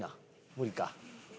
無理か。